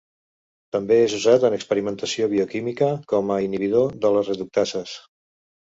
També és usat en experimentació bioquímica com a inhibidor de les reductases.